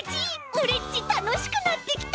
オレっちたのしくなってきた！